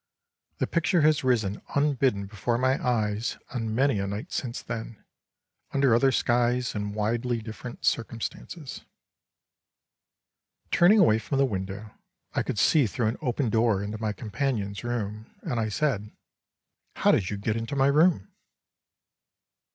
The picture has risen unbidden before my eyes on many a night since then, under other skies and widely different circumstances. Turning away from the window, I could see through an open door into my companion's room, and I said, "How did you get into my room?"